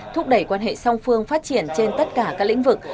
thúc đẩy quan hệ song phương phát triển trên tất cả các lĩnh vực